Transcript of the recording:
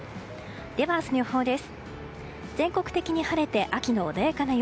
では、明日の予報です。